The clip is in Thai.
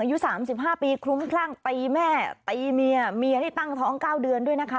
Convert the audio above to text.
อายุ๓๕ปีคลุ้มคลั่งตีแม่ตีเมียเมียที่ตั้งท้อง๙เดือนด้วยนะคะ